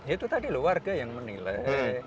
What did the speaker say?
itu tadi loh warga yang menilai